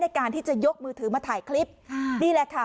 การที่จะยกมือถือมาถ่ายคลิปค่ะนี่แหละค่ะ